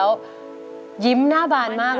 วีรทาาว